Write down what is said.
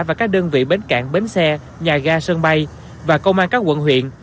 và các đơn vị bến cảng bến xe nhà ga sân bay và công an các quận huyện